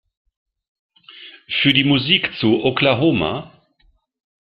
Für die Musik zu "Oklahoma!